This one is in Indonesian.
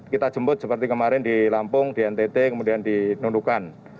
kita jemput seperti kemarin di lampung di ntt kemudian di nundukan